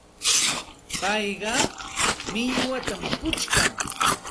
Payqa millwatam puchkan.